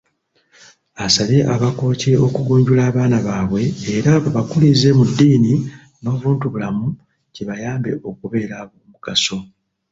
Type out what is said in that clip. Asabye Abakooki okugunjula abaana baabwe era babakulize mu ddiini n'obuntu bulamu kibayambe okubeera ab'omugaso.